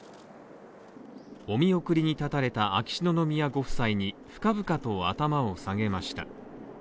お見送りに立たれた秋篠宮ご夫妻に深々と頭を下げました。